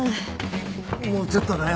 もうちょっとだよ。